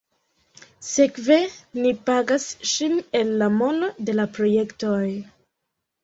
Sekve ni pagas ŝin el la mono de la projektoj.